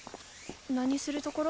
何するところ？